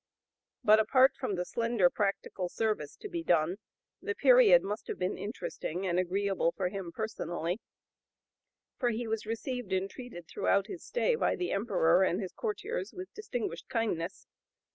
But apart from the slender practical service to be done, the period must have been interesting and agreeable for him personally, for he was received and treated throughout his stay by the Emperor and his courtiers with distinguished kindness.